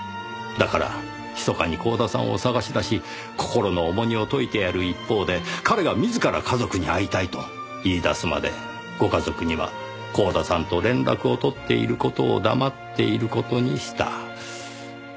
だから密かに光田さんを捜し出し心の重荷を解いてやる一方で彼が自ら家族に会いたいと言い出すまでご家族には光田さんと連絡を取っている事を黙っている事にした。